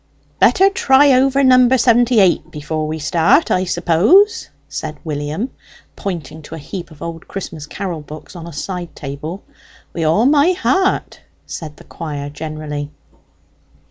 "Better try over number seventy eight before we start, I suppose?" said William, pointing to a heap of old Christmas carol books on a side table. "Wi' all my heart," said the choir generally.